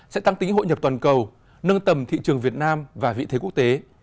sẽ tăng tính hội nhập toàn cầu nâng tầm thị trường việt nam và vị thế quốc tế